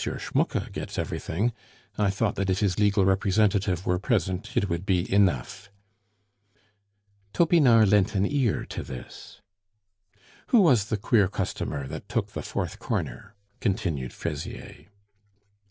Schmucke gets everything, I thought that if his legal representative were present it would be enough." Topinard lent an ear to this. "Who was the queer customer that took the fourth corner?" continued Fraisier.